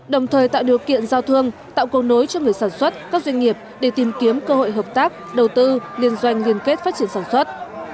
đồng thời tạo điều kiện giao thương tạo công nối cho người sản xuất các doanh nghiệp để tìm kiếm cơ hội hợp tác đầu tư liên doanh liên kết phát triển sản xuất